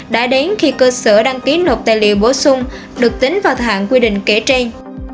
đã đến khi cơ sở đăng ký nộp tài liệu bổ sung được tính vào hạng quy định kể trên